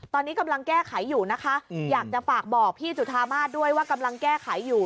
ตอนนี้กำลังแก้ไขอยู่นะคะอยากจะฝากบอกพี่จุธามาสด้วยว่ากำลังแก้ไขอยู่